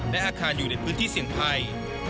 และอาคารอยู่ในพื้นที่เสี่ยงภัย